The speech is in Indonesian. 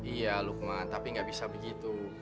iya lukman tapi nggak bisa begitu